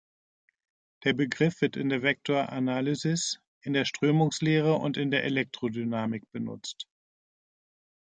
Der Begriff wird in der Vektoranalysis, in der Strömungslehre und in der Elektrodynamik benutzt.